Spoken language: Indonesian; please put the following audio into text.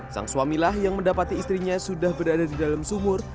sang suamilah yang mendapati istrinya sudah berada di dalam sumur